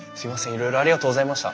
いろいろありがとうございました。